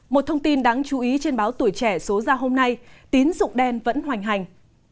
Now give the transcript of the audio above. một thông tin đáng chú ý trên báo tuổi trẻ số ra hôm nay tín dụng đen vẫn hoành hành